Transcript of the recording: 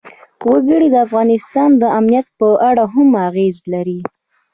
وګړي د افغانستان د امنیت په اړه هم اغېز لري.